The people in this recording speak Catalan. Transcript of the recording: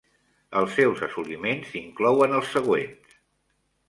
Els seus assoliments inclouen els següents.